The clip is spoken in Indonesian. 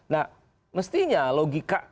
nah mestinya logika